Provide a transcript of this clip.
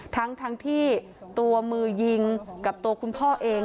ทั้งที่ตัวมือยิงกับตัวคุณพ่อเอง